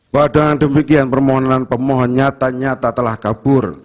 padahal demikian permohonan pemohon nyata nyata telah kabur